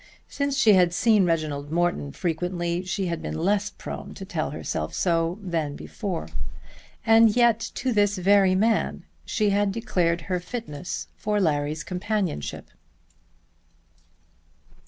Since she had seen Reginald Morton frequently, she had been less prone to tell herself so than before; and yet to this very man she had declared her fitness for Larry's companionship!